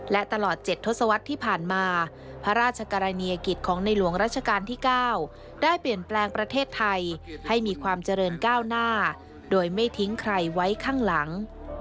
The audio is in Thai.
และตลอด๗ทศวรรษที่ผ่านมาพระราชกรณียกิจของในหลวงราชการที่๙ได้เปลี่ยนแปลงประเทศไทยให้มีความเจริญก้าวหน้าโดยไม่ทิ้งใครไว้ข้างหลัง